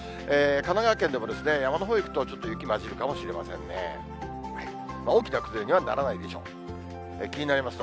神奈川県でも山のほうへ行くと、ちょっと雪交じるかもしれませんね。